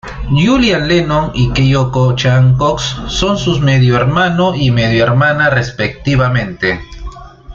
Julian Lennon y Kyoko Chan Cox son sus medio-hermano y medio-hermana respectivamente.